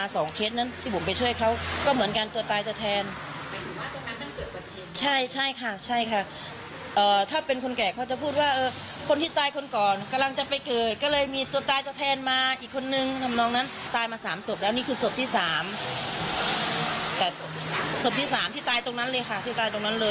สมที่๓ที่ตายตรงนั้นเลยค่ะสมที่๓แล้วค่ะ